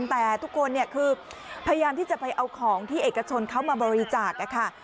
แต่ทุกคนเนี่ยคือพยายามที่จะไปเอาของที่เอกชนเขามาบริจาคนะคะ